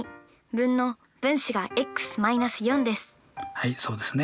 はいそうですね。